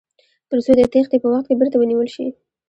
تر څو د تیښتې په وخت کې بیرته ونیول شي.